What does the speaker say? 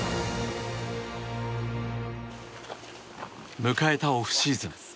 迎えたオフシーズン。